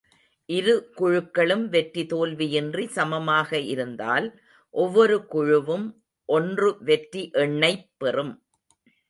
இரு குழுக்களும் வெற்றி தோல்வியின்றி சமமாக இருந்தால், ஒவ்வொரு குழுவும் ஒன்று வெற்றி எண்ணைப் பெறும்.